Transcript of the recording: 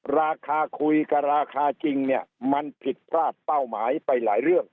ราคาคุยกับราคาจริงเนี่ยมันผิดพลาดเป้าหมายไปหลายเรื่อง